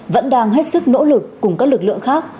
vẫn đang hết sức nỗ lực cùng các lực lượng khác